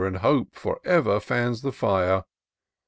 And Hope for ever fans the fire.